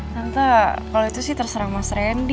tante kalau itu sih terserang mas randy